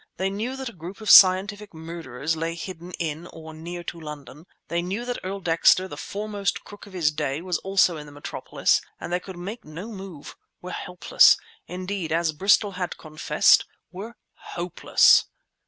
They knew that a group of scientific murderers lay hidden in or near to London; they knew that Earl Dexter, the foremost crook of his day, was also in the metropolis—and they could make no move, were helpless; indeed, as Bristol had confessed, were hopeless!